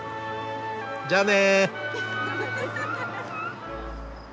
じゃあね。